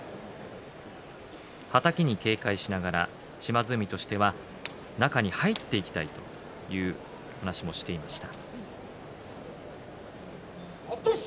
はたきに警戒をしながら島津海としては中に入っていきたいと話をしていました。